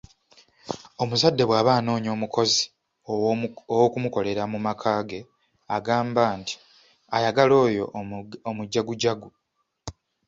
Omuzadde bw'aba anoonya omukozi ow'okumukolera mu maka ge agamba nti ,ayagala oyo omujagujagu.